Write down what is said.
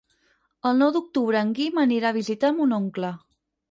El nou d'octubre en Guim anirà a visitar mon oncle.